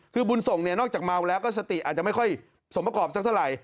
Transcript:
คือบุญส่งเนี่ยนอกจากเมาแล้วก็สติอาจจะไม่ค่อยสมประกอบสักเท่าไหร่